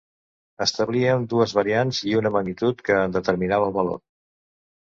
Establíem dues variants i una magnitud que en determinava el valor.